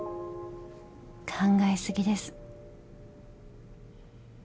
考え過ぎです。